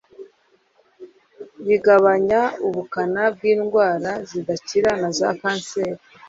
bigabanya ubukana bw’indwara zidakira na za kanseri